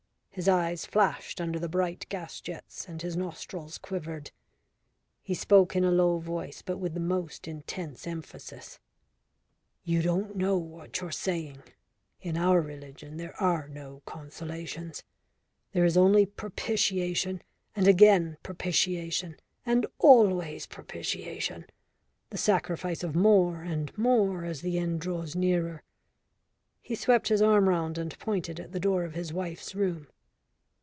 His eyes flashed under the bright gas jets, and his nostrils quivered. He spoke in a low voice but with the most intense emphasis. "You don't know what you're saying. In our religion there are no consolations. There is only propitiation, and again propitiation, and always propitiation the sacrifice of more and more as the end draws nearer." He swept his arm round and pointed at the door of his wife's room.